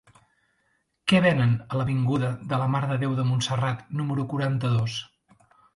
Què venen a l'avinguda de la Mare de Déu de Montserrat número quaranta-dos?